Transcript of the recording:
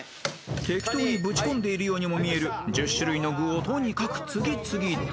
［適当にぶち込んでいるようにも見える１０種類の具をとにかく次々と］